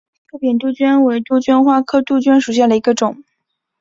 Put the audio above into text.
阔柄杜鹃为杜鹃花科杜鹃属下的一个种。